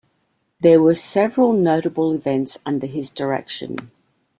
There were several notable events under his direction.